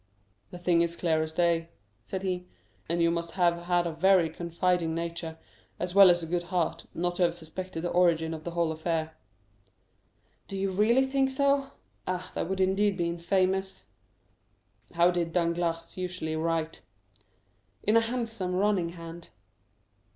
"The thing is clear as day," said he; "and you must have had a very confiding nature, as well as a good heart, not to have suspected the origin of the whole affair." "Do you really think so? Ah, that would indeed be infamous." "How did Danglars usually write?" "In a handsome, running hand."